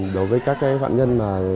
đối với các phạm nhân